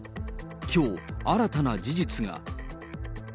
きょう、新たな事実が。